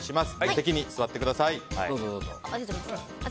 席に座ってください。